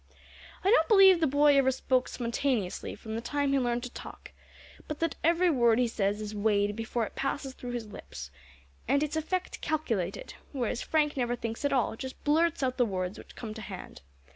"I don't believe the boy ever spoke spontaneously from the time he learned to talk, but that every word he says is weighed before it passes through his lips, and its effect calculated; whereas Frank never thinks at all, but just blurts out the words which come to hand.